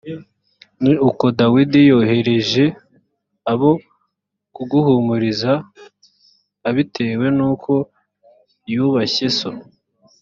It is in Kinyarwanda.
ni uko dawidi yohereje abo kuguhumuriza abitewe n’uko yubashye so